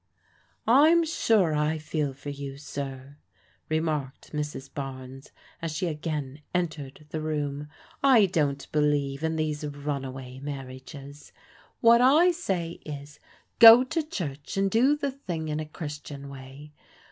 " Fm sure I feel for you, sir," remarked Mrs. Barnes as she again entered the room. " I don't believe in these runaway marriages. What I say is, go to church, and do the thing in a Christian way.